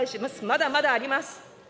まだまだあります。